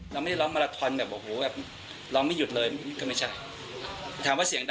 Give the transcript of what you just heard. เราไม่ได้ร้องมาราทรอนแบบโอ้โหร้องไม่หยุดเลยก็ไม่ใช่